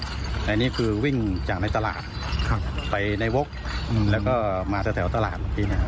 อันนี้คือวิ่งจากในตลาดไปในวกแล้วก็มาแถวตลาด